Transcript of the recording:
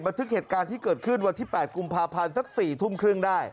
ทึกเหตุการณ์ที่เกิดขึ้นวันที่๘กุมภาพันธ์สัก๔ทุ่มครึ่งได้